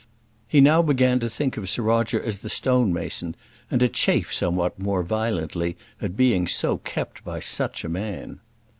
He now began to think of Sir Roger as the stone mason, and to chafe somewhat more violently at being so kept by such a man.